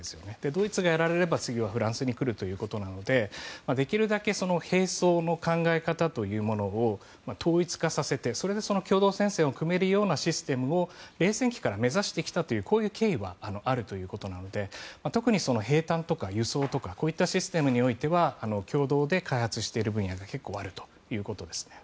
ドイツがやられれば次はフランスに来るということなのでできるだけ兵装の考え方というものを統一化させてそれで共同戦線を組めるようなシステムを冷戦期から目指してきたという経緯はあるということなので特に兵たんとか輸送とかこういったシステムにおいては共同で開発している分野が結構あるということです。